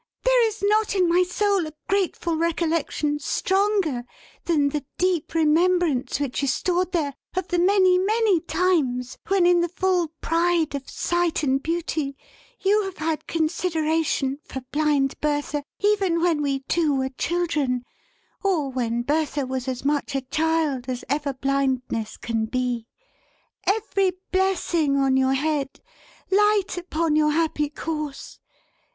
There is not, in my Soul, a grateful recollection stronger than the deep remembrance which is stored there, of the many many times when, in the full pride of Sight and Beauty, you have had consideration for Blind Bertha, even when we two were children, or when Bertha was as much a child as ever blindness can be! Every blessing on your head! Light upon your happy course!